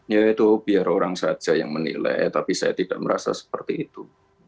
ya itu biar orang saja yang menilai tapi saya tidak merasa seperti itu